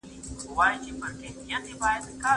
نظم نن هم د پوهانو په لومړیتوب کي دی.